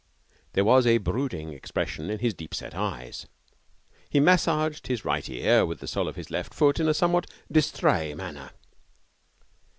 There was a brooding expression in his deep set eyes. He massaged his right ear with the sole of his left foot in a somewhat distrait manner.